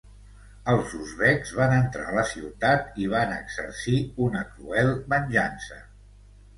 Els uzbeks van entrar a la ciutat i van exercir una cruel venjança.